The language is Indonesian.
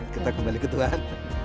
kita kembali ke tuhan